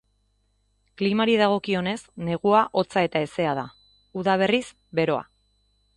Klimari dagokionez, negua hotza eta hezea da; uda, berriz, beroa.